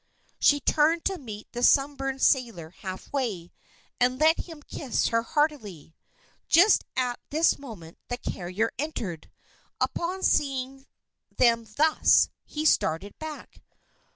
She turned to meet the sunburned sailor half way, and let him kiss her heartily. Just at this moment, the carrier entered. Upon seeing them thus, he started back.